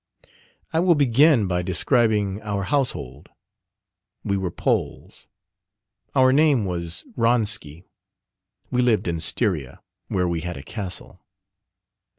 I will begin by describing our household. We were Poles: our name was Wronski: we lived in Styria, where we had a castle.